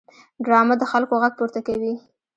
ډرامه د خلکو غږ پورته کوي